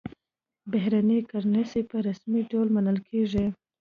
بهرنۍ کرنسي په رسمي ډول منل کېږي.